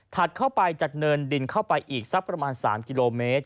เข้าไปจากเนินดินเข้าไปอีกสักประมาณ๓กิโลเมตร